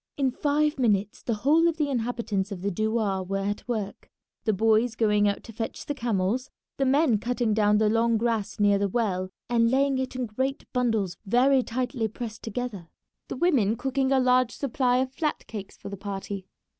In five minutes the whole of the inhabitants of the douar were at work, the boys going out to fetch the camels, the men cutting down the long grass near the well and laying it in great bundles very tightly pressed together, the women cooking a large supply of flat cakes for the party.